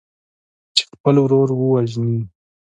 چې خپل ورور ووژني.